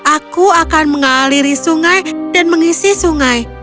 aku akan mengaliri sungai dan mengisi sungai